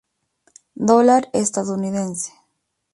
Dólar Estadounidense